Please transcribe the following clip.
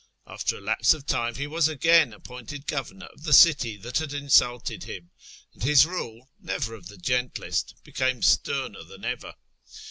After a lapse of time he was again appointed governor of the city that had insulted him, and his rule, never of the gentlest, became sterner than ever.